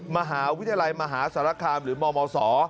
มหาวิทยาลัยมหาสารคามหรือมมศ